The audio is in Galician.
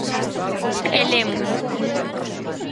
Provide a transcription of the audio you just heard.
E lemos.